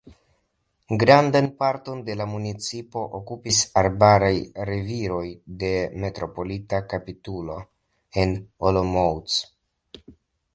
Grandan parton de la municipo okupis arbaraj reviroj de Metropolita kapitulo en Olomouc.